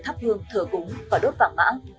các hương thở cúng và đốt vảng mã